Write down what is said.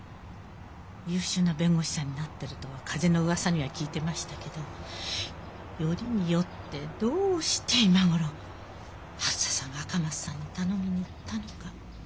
優秀な弁護士さんになってるとは風のうわさには聞いてましたけどよりによってどうして今頃あづささんが赤松さんに頼みに行ったのか。